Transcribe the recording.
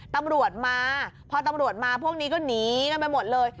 ตำรวจมาพอตำรวจมาพวกนี้ก็หนีกันไปหมดเลย